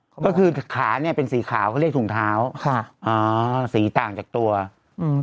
ก็คือขาเนี้ยเป็นสีขาวเขาเรียกถุงเท้าค่ะอ่าสีต่างจากตัวอืม